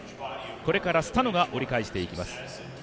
これからスタノが折り返していきます。